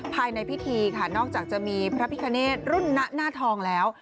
ภายในพิธีค่ะนอกจากจะมีพระพิคเนตรุ่นณหน้าทองแล้ว